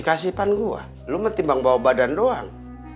kasipan gua lu mending bawa badan doang